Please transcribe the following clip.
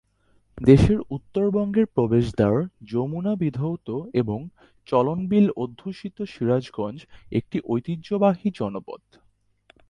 দেশের উত্তর বঙ্গের প্রবেশদ্বার যমুনা বিধৌত এবং চলনবিল অধ্যুষিত সিরাজগঞ্জ একটি ঐতিহ্যবাহী জনপদ।